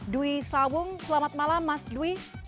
dwi sawung selamat malam mas dwi